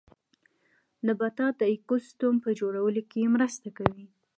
نباتات د ايکوسيستم په جوړولو کې مرسته کوي